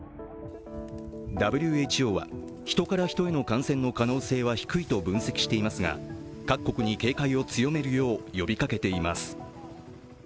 ＷＨＯはヒトからヒトへの感染の可能性は低いと分析していますが、各国に警戒を強めるよう呼びかけています。